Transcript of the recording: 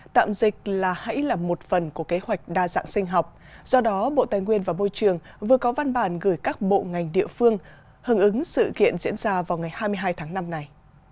tạm dịch là hãy là một phần của kế hoạch đa dạng sinh học do đó bộ tài nguyên và môi trường vừa có văn bản gửi các bộ ngành địa phương hứng ứng sự kiện diễn ra vào ngày hai mươi hai tháng năm này